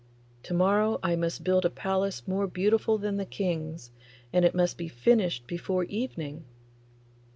To morrow I must build a palace more beautiful than the King's, and it must be finished before evening.